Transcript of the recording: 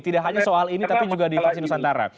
tidak hanya soal ini tapi juga di vaksin nusantara